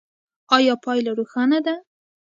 ایا پایله روښانه ده؟